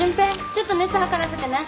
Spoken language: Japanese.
ちょっと熱測らせてね。